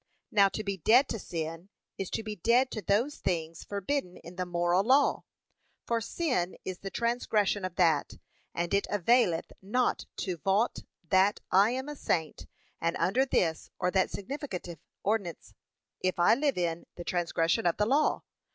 Now to be dead to sin, is to be dead to those things forbidden in the moral law. For sin is the transgression of that, and it availeth not to vaunt that I am a saint and under this or that significative ordinance, if I live in' the transgression of the law.'